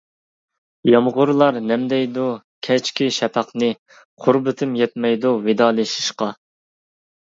يامغۇرلار نەمدەيدۇ كەچكى شەپەقنى، قۇربىتىم يەتمەيدۇ ۋىدالىشىشقا.